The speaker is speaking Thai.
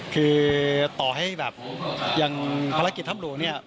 คือต่อให้แบบอย่างภารกิจธรรมดุลวงศ์นี่